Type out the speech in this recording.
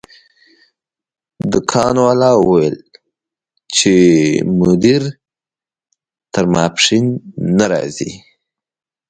دکان والا وویل چې مدیر تر ماسپښین نه راځي.